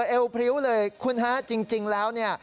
เอวพริ้วเลยคุณฮะจริงแล้วเนี่ย